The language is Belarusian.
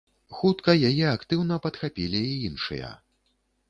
Хутка яе актыўна падхапілі і іншыя.